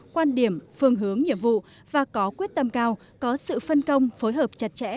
quan điểm phương hướng nhiệm vụ và có quyết tâm cao có sự phân công phối hợp chặt chẽ